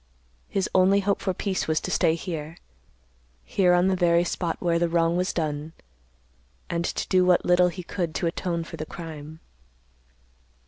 His only hope for peace was to stay here; here on the very spot where the wrong was done, and to do what little he could to atone for the crime.